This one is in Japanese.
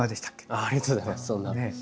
ありがとうございます